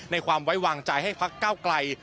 ความไว้วางใจให้พักเก้าไกล